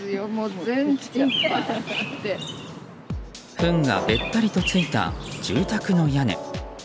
ふんがべったりとついた住宅の屋根。